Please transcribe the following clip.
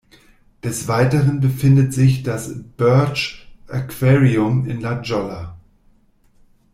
Des Weiteren befindet sich das "Birch Aquarium" in La Jolla.